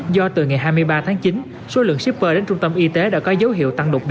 do từ ngày hai mươi ba tháng chín số lượng shipper đến trung tâm y tế đã có dấu hiệu tăng đột biến